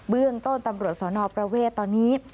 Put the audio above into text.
เบื้องต้นตำรวจสวนฮอล์ประเวศตอนนี้